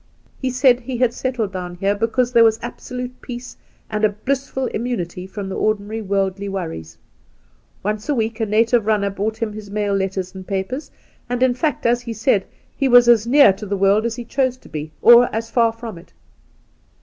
He said he had settled down here because there was absolute peace and a blissful immunity from the o'rdinary worldly wo^'ries. Once a week a native runner brought him his mail letters and papers, and, in fact, as he said, he was as near to the world as he chose to be, or as far from it.